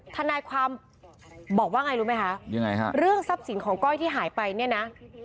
ทนายความบอกว่าไงรู้ไหมคะยังไงฮะเรื่องทรัพย์สินของก้อยที่หายไปเนี่ยนะ